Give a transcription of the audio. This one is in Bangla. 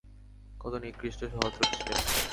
কত নিকৃষ্ট সহচর সে!